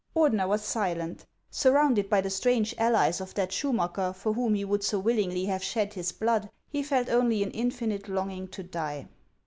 Ordener was silent. Surrounded by the strange allies of that Schumacker for whom he would so willingly have shed his blood, he felt only an infinite longing to die.